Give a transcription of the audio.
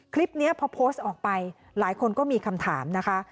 คลิปนี้พอโพสต์ออกไปหลายคนก็มีคำถามนะคะ